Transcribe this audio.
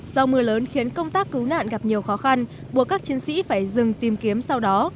do mưa lớn khiến công tác cứu nạn gặp nhiều khó khăn buộc các chiến sĩ phải dừng tìm kiếm sau đó